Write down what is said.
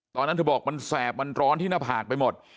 ตอนนั้นเธอบอกมันแสบมันร้อนที่หน้าผากไปหมด